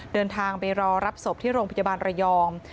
เดินทางไปรอรับศพที่โรงพยาบาลระยอง